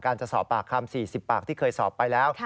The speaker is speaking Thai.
จะสอบปากคำ๔๐ปากที่เคยสอบไปแล้ว